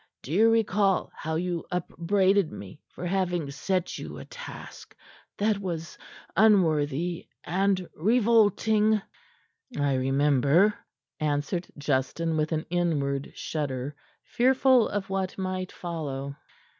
Do you recall how you upbraided me for having set you a task that was unworthy and revolting?" "I remember," answered Justin, with an inward shudder, fearful of what might follow.